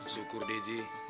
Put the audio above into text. syukur deh ji